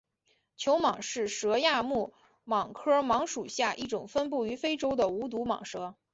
球蟒是蛇亚目蟒科蟒属下一种分布于非洲的无毒蟒蛇。